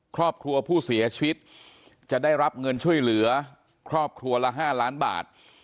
ครอบครัวผู้เสียชีวิตจะได้รับเงินช่วยเหลือครอบครัวละ๕ล้านบาท